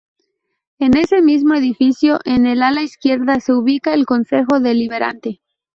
En ese mismo edificio, en el ala izquierda se ubica el Concejo Deliberante.